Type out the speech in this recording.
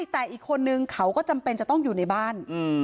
แต่อีกคนนึงเขาก็จำเป็นจะต้องอยู่ในบ้าน